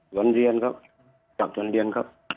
ตอนเรียนครับจับจนเรียนครับ